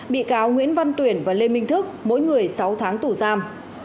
bị cáo nguyễn văn tuyển và lê minh thức mỗi người sáu tháng tù giam